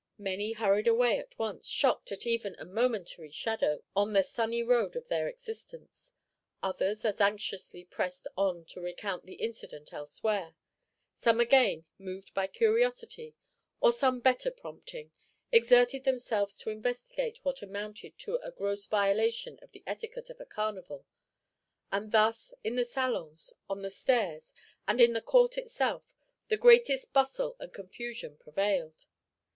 Many hurried away at once, shocked at even a momentary shadow on the sunny road of their existence; others as anxiously pressed on to recount the incident elsewhere; some, again, moved by curiosity or some better prompting, exerted themselves to investigate what amounted to a gross violation of the etiquette of a carnival; and thus, in the salons, on the stairs, and in the court itself, the greatest bustle and confusion prevailed.